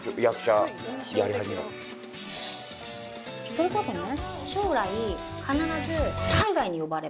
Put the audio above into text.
それこそね。